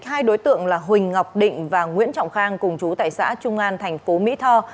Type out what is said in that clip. hai đối tượng là huỳnh ngọc định và nguyễn trọng khang cùng chú tại xã trung an thành phố mỹ tho